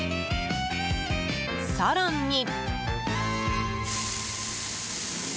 更に。